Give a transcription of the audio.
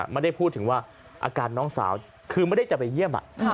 ไม่ได้พูดถึงว่าอาการน้องสาวคือไม่ได้จะไปเยี่ยม